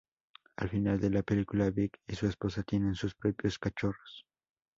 Al final de la película, Vic y su esposa tienen sus propios cachorros.